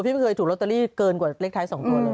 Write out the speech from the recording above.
ไม่เคยถูกลอตเตอรี่เกินกว่าเลขท้าย๒ตัวเลย